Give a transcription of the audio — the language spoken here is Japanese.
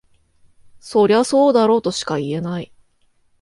そりゃそうだろとしか言えない